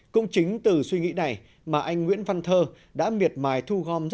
cũng chính từ suy nghĩ này mà anh nguyễn văn thơ đã miệt mài thu gom rác